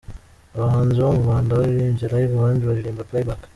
Abahanzi bo mu Rwanda baririmbye Live abandi baririmba PlayBack.